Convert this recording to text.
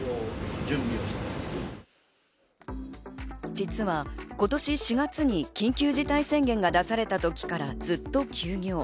実は今年４月に緊急事態宣言が出された時からずっと休業。